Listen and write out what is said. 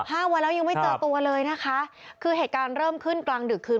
ห้าวันแล้วยังไม่เจอตัวเลยนะคะคือเหตุการณ์เริ่มขึ้นกลางดึกคืน